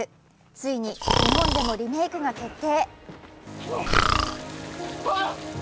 ついに日本でもリメークが決定。